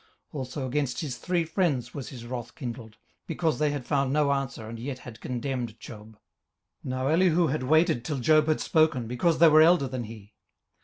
18:032:003 Also against his three friends was his wrath kindled, because they had found no answer, and yet had condemned Job. 18:032:004 Now Elihu had waited till Job had spoken, because they were elder than he.